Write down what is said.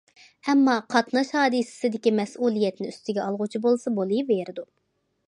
ئەمما قاتناش ھادىسىسىدىكى مەسئۇلىيەتنى ئۈستىگە ئالغۇچى بولسا بولۇۋېرىدۇ.